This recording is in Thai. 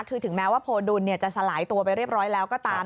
คือถึงแม้ว่าโพดุลจะสลายตัวไปเรียบร้อยแล้วก็ตาม